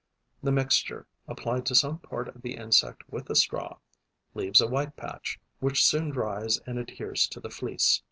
The mixture, applied to some part of the insect with a straw, leaves a white patch, which soon dries and adheres to the fleece.